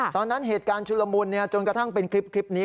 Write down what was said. ตอนนั้นเหตุการณ์ชุลมุนจนกระทั่งเป็นคลิปนี้